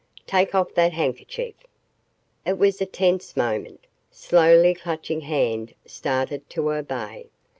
"Take off that handkerchief!" It was a tense moment. Slowly Clutching Hand started to obey.